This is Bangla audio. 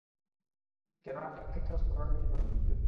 কেননা তার ক্ষেত্রেও সাধারণ নীতি প্রযোজ্য।